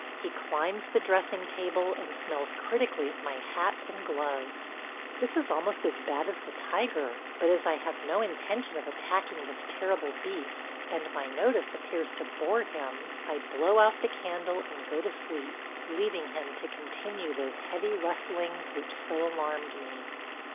He climbs the dressing table and smells critically at my hat and gloves. ... This is almost as bad as the tiger, but as I have no intention of attacking this terrible beast and my notice appears to bore him, I blow out the candle and go to sleep, leaving him to continue those heavy rustlings which so alarmed me.